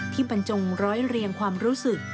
บรรจงร้อยเรียงความรู้สึก